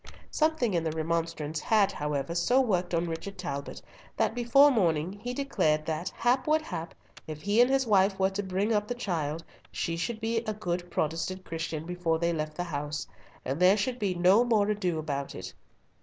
Something in the remonstrance had, however, so worked on Richard Talbot, that before morning be declared that, hap what hap, if he and his wife were to bring up the child, she should be made a good Protestant Christian before they left the house, and there should be no more ado about it.